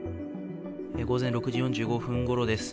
午前６時４５分ごろです。